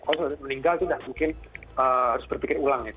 kalau sudah meninggal itu tidak mungkin harus berpikir ulang ya